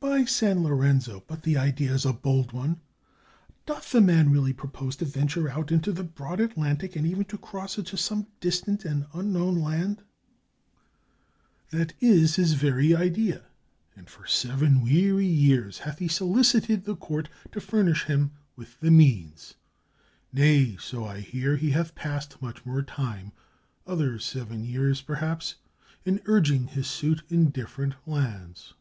"By San Lorenzo! but the idea is a bold one! Doth the man really propose to venture out into the broad Atlantic, and even to cross it to some distant and un known land?" " That is his very idea; and for seven weary years hath he soUcited the court to furnish him with the means. Nay, so I hear, he hath passed much more time — other seven years, perhaps — in urging his suit in different lands."